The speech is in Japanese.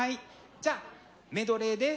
じゃあメドレーです。